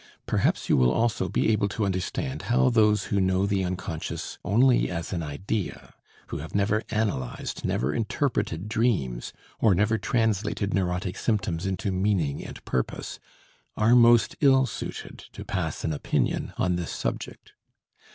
Perhaps you will also be able to understand how those who know the unconscious only as an idea, who have never analyzed, never interpreted dreams, or never translated neurotic symptoms into meaning and purpose, are most ill suited to pass an opinion on this subject.